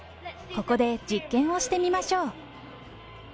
ここで実験をしてみましょう。